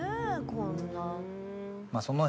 こんな。